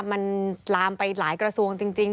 มันลามไปหลายกระทรวงจริง